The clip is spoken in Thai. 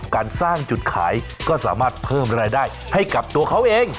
การสร้างจุดขายก็สามารถเพิ่มรายได้ให้กับตัวเขาเอง